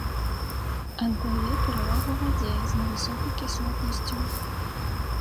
Аддае перавагу вадзе з невысокай кіслотнасцю.